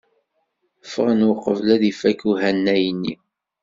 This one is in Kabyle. Ffɣen uqbel ad ifak uhanay-nni.